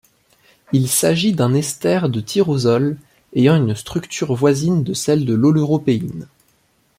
Il s'agit d'un ester de tyrosol ayant une structure voisine de celle de l'oleuropéine.